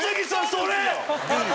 それ！